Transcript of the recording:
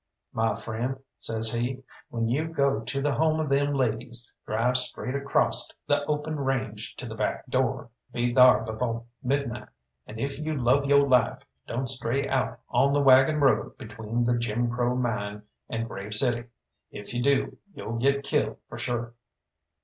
"My friend," says he, "when you go to the home of them ladies, drive straight acrost the open range to the back door, be thar befo' midnight, and if you love yo' life, don't stray out on the waggon road between the Jim Crow Mine and Grave City. If you do you'll get killed for sure."